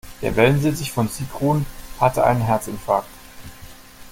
Der Wellensittich von Sigrun hatte einen Herzinfarkt.